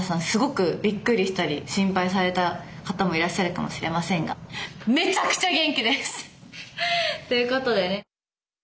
すごくびっくりしたり心配された方もいらっしゃるかもしれませんがめちゃくちゃ元気です！ということでね。